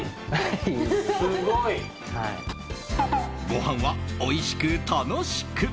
ごはんはおいしく楽しく。